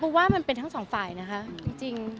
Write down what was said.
เพราะว่ามันเป็นทั้งสองฝ่ายนะคะจริง